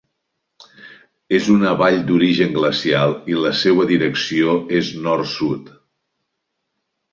És una vall d'origen glacial i la seua direcció és nord-sud.